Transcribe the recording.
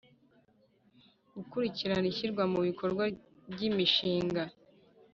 Gukurikirana ishyirwa mu bikorwa ry’imishinga;